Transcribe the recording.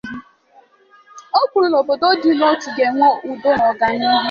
O kwuru na obodo dị na otu ga-enwe udo na ọganihu.